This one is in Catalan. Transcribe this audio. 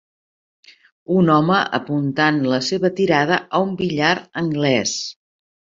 Un home apuntant la seva tirada a un billar anglès.